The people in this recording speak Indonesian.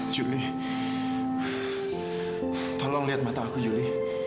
jurnih tolong lihat mata aku juli